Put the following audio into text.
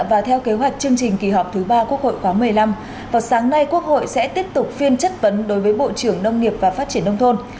và theo kế hoạch chương trình kỳ họp thứ ba quốc hội khóa một mươi năm vào sáng nay quốc hội sẽ tiếp tục phiên chất vấn đối với bộ trưởng nông nghiệp và phát triển nông thôn